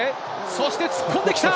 そして突っ込んできた！